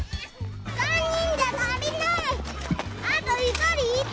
３人じゃ足りない！